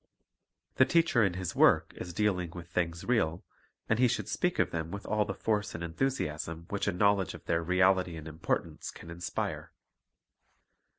The teacher in his work is dealing with things real, and he should speak of them with all the force and enthusiasm which a knowledge of their reality and importance can inspire.